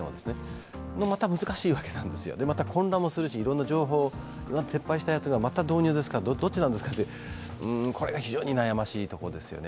また難しいわけなんですよ、混乱するし、情報、撤廃したやつがまた導入ですか、どっちなんですかというこれが非常に悩ましいところですよね。